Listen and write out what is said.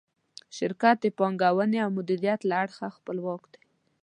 شرکت د پانګې او مدیریت له اړخه خپلواک دی.